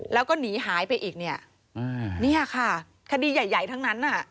แล้วก็หนีหายไปอีกนี่ค่ะคดีใหญ่ทั้งนั้นน่ะ